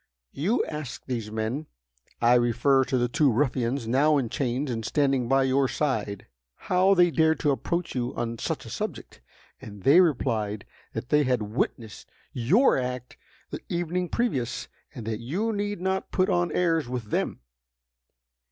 You asked these men (I refer to the two ruffians now in chains and standing by your side,) how they dared to approach you on such a subject, and they replied that they had witnessed your act the evening previous, and that you need not put on airs with them!